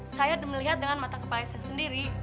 saya melihat dengan mata kepalesan sendiri